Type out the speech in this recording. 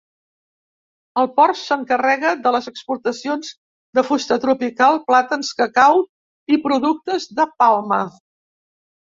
El port s'encarrega de les exportacions de fusta tropical, plàtans, cacau i productes de palma.